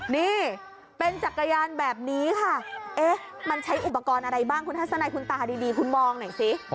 นี่เป็นจักรยานแบบนี้ค่ะเอ๊ะมันใช้อุปกรณ์อะไรบ้างคุณทัศนัยคุณตาดีคุณมองหน่อยสิ